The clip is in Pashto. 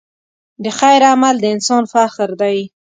د خیر عمل د انسان فخر دی.